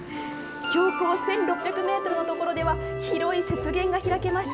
標高１６００メートルの所では、広い雪原が開けました。